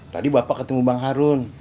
tadi bapak ketemu bang harun